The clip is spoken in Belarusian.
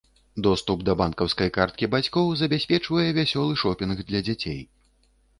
Доступ да банкаўскай карткі бацькоў забяспечвае вясёлы шопінг для дзяцей.